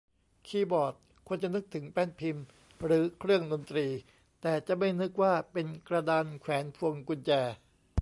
คีย์บอร์ด คนจะนึกถึงแป้นพิมพ์ หรือเครื่องดนตรี แต่จะไม่นึกว่าเป็นกระดานแขวนพวงกุญแจ